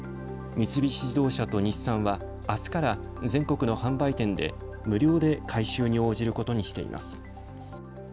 三菱自動車と日産はあすから全国の販売店で無料で改修に応じることにしています。